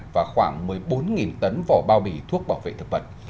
và khoảng một mươi bốn tấn vỏ bao bì thuốc bảo vệ thực vật